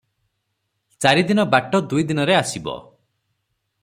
ଚାରିଦିନ ବାଟ ଦୁଇ ଦିନରେ ଆସିବ ।